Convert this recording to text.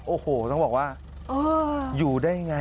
โอ้โหต้องบอกว่าอยู่ได้ยังไง